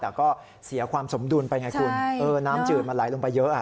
แต่ก็เสียความสมดุลไปไงคุณเออน้ำจืดมันไหลลงไปเยอะ